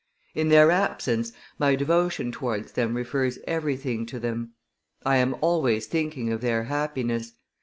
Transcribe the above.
In their absence, my devotion towards them refers everything to them. I am always thinking of their happiness.